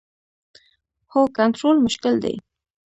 هو، کنټرول مشکل دی